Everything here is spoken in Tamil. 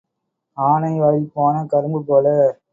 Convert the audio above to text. ஆனை வாயில் போன கரும்பு போல.